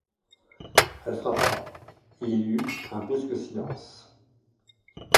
Elle frappa, et il y eut un brusque silence.